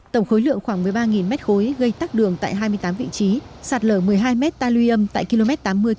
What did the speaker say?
tổng khối lượng khoảng một mươi ba m ba gây tắc đường tại hai mươi tám vị trí sạt lở một mươi hai m ta lưu yêm tại km tám mươi năm trăm linh